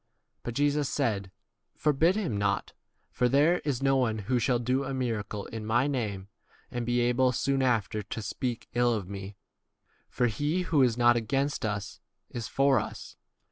But Jesus said, For bid him not ; for there is no one who shall do a miracle in my name, and be able soon [after] to speak 40 ill of me ; for he who is not against 41 us is for us.